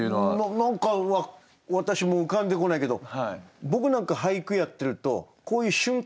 何か私も浮かんでこないけど僕なんか俳句やってるとこういう瞬間